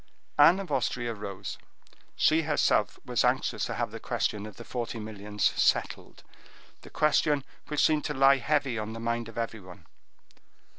Anne of Austria rose; she herself was anxious to have the question of the forty millions settled—the question which seemed to lie heavy on the mind of everyone.